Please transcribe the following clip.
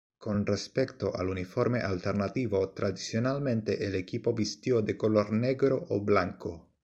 Con respecto al uniforme alternativo tradicionalmente el equipo vistió de color negro o blanco.